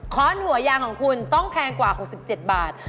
้อนหัวยางของคุณต้องแพงกว่า๖๗บาท